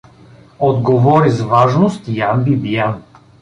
Отговори с важност Ян Бибиян.